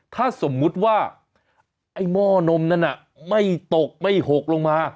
ถ้าสมมุติว่าไอ้หม้อนมนั้นไม่ตกไม่หกลงมา